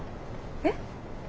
えっ？